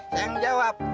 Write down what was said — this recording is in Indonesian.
saya yang jawab